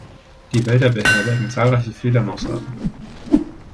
Die Wälder beherbergen zahlreiche Fledermausarten.